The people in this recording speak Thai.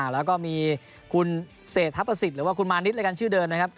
แล้วก็มีคุณเศรษฐประสิทธิ์หรือว่าคุณมานิดรายการชื่อเดิมนะครับ